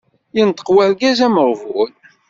Yenṭeq urgaz ameɣbun.